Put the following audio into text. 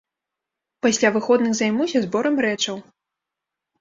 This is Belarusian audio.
Пасля выходных займуся зборам рэчаў.